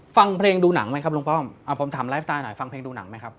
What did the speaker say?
ฟังเพลงดูหนังไหมครับลุงป้อมอ่าผมถามไลฟ์สไตล์หน่อยฟังเพลงดูหนังไหมครับ